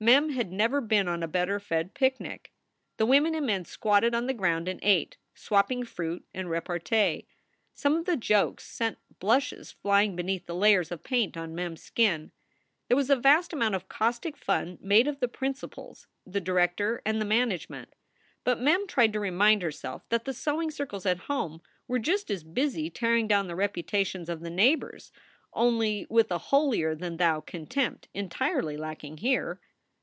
Mem had never been on a better fed picnic. The women and men squatted on the ground and ate, swapping fruit and repartee. Some of the jokes sent blushes flying beneath the layers of paint on Mem s skin. There was a vast amount of caustic fun made of the principals, the director, and the management. But Mem tried to remind herself that the sewing circles at home were just as busy tearing down the reputations of the neighbors, only with a holier than thou contempt entirely lacking here.